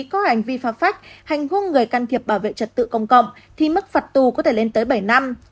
có hành vi phách hành hôn người can thiệp bảo vệ trật tự công cộng thì mức phạt tù có thể lên tới bảy năm